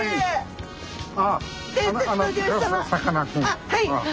あっはい。